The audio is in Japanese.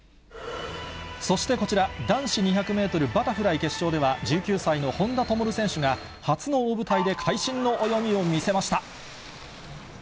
そしてこちら、男子２００メートルバタフライ決勝では、１９歳の本多灯選手が初の大舞台で会心の泳ぎを見せました。